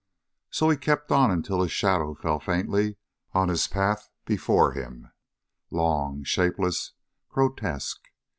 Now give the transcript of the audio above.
So he kept on until his shadow fell faintly on his path before him, long, shapeless, grotesque.